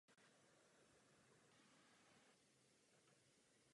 Jeho nejdůležitější práce se týkají struktury centrálního nervového systému.